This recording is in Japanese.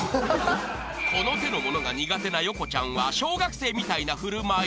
［この手のものが苦手なヨコちゃんは小学生みたいな振る舞い］